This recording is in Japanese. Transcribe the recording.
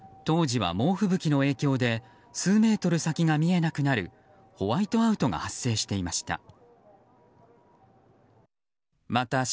当時は、猛吹雪の影響で数メートル先が見えなくなるホワイトアウトが発生していました。